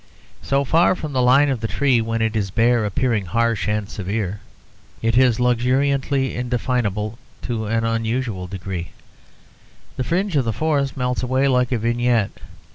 So far from the line of the tree when it is bare appearing harsh and severe, it is luxuriantly indefinable to an unusual degree; the fringe of the forest melts away like a vignette.